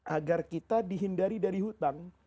agar kita dihindari dari hutang